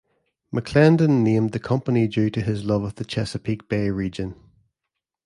McClendon named the company due to his love of the Chesapeake Bay region.